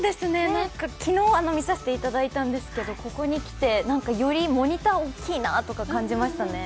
昨日、見させていただいたんですけどここに来て、よりモニター大きいなとか感じましたね。